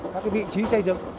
các vị trí xây dựng